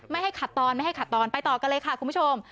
ไม่ให้ขับตอนไปต่อกันเลยค่ะคุณผู้ชม